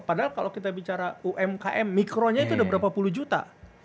padahal kalau kita bicara umkm mikronya itu udah berapa puluh juta